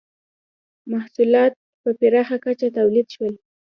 • محصولات په پراخه کچه تولید شول.